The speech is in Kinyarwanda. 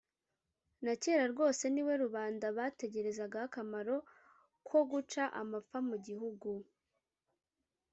na cyera rwose niwe rubanda bategerezagaho akamaro kwo guca amapfa mu gihugu